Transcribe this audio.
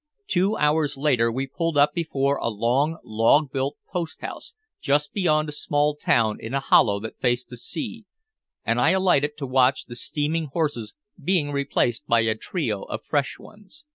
Two hours later we pulled up before a long log built post house just beyond a small town in a hollow that faced the sea, and I alighted to watch the steaming horses being replaced by a trio of fresh ones.